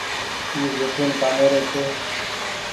اي زيتونٚ ڪآمي رو ڇي۔